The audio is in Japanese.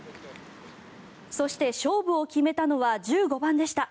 そして勝負を決めたのは１５番でした。